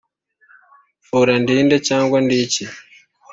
Fora ndi nde cyangwa ndi iki